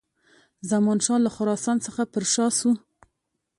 زمانشاه له خراسان څخه پر شا سو.